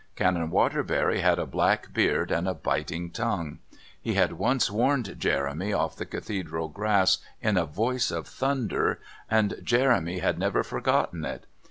Canon Waterbury had a black beard and a biting tongue. He had once warned Jeremy off the Cathedral grass in a voice of thunder, and Jeremy had never forgotten it.